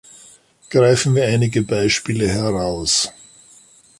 Greifen wir einige Beispiele heraus.